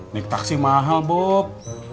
naik taksi mahal bob